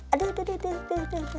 aduh aduh aduh aduh